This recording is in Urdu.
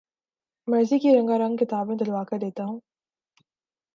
مرضی کی رنگار نگ کتابیں دلوا کر دیتا ہوں